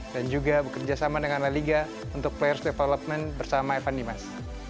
dan juga bekerjasama dengan la liga untuk players development bersama evan dimas